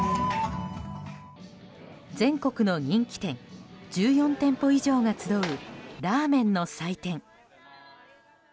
全国の人気店１４店舗以上が集うラーメンの祭典。